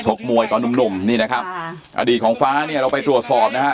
ต่อนุ่มนี่นะครับภาพอดีของฟ้านี่เราไปตรวจสอบนะคะ